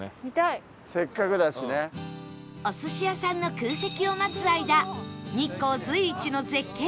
お寿司屋さんの空席を待つ間日光随一の絶景